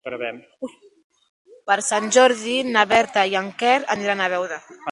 Per Sant Jordi na Berta i en Quer aniran a Beuda.